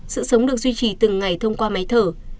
sự sống được duy trì từng ngày thông qua máy thở